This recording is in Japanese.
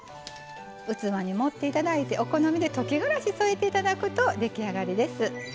器に盛っていただいてお好みで溶きがらし添えていただくと出来上がりです。